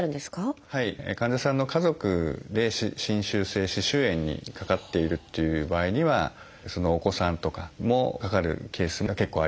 患者さんの家族で侵襲性歯周炎にかかっているっていう場合にはそのお子さんとかもかかるケースが結構あります。